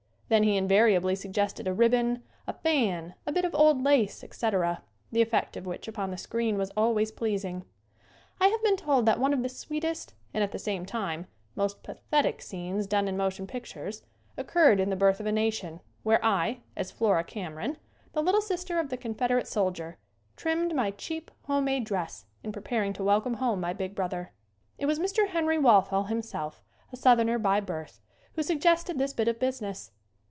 Then he invariably suggested a ribbon, a fan, a bit of old lace, etc., the effect of which upon the screen was always pleasing. I have been told that one of the sweetest and, at the same time, most pathetic scenes done in motion pictures occurred in "The Birth of a Nation" where I, as Flora Cameron, the little sister of the Confederate soldier, trimmed my cheap, home made dress in preparing to wel come home my big brother. It was Mr. Henry Walthall, himself a south erner by birth, who suggested this bit of busi ness.